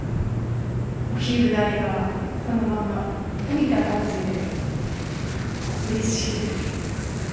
お昼代がそのまま浮いた感じでうれしいです。